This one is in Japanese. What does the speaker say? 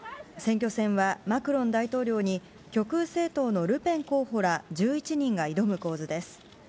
選挙戦はマクロン大統領に、極右政党のルペン候補ら１１人が挑む構図です。